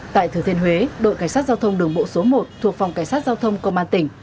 tại thừa thiên huế đội cảnh sát giao thông đường bộ số một thuộc phòng cảnh sát giao thông công an tỉnh